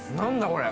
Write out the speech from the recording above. これ。